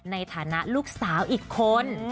ในฐานะลูกสาวอีกคน